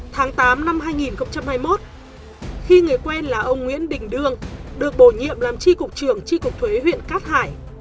tháng tám năm hai nghìn hai mươi một khi người quen là ông nguyễn đình đương được bổ nhiệm làm tri cục trưởng tri cục thuế huyện cát hải